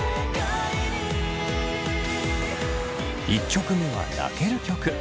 １曲目は泣ける曲。